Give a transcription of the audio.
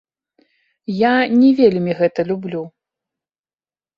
А я не вельмі гэта люблю.